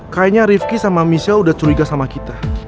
kayaknya rifki sama misha udah curiga sama kita